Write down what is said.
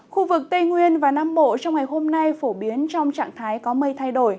khu vực tây nguyên và nam bộ trong ngày hôm nay phổ biến trong trạng thái có mây thay đổi